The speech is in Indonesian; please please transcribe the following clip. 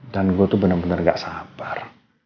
dan gue tuh bener bener gak sabar